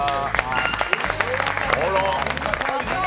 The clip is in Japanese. あら。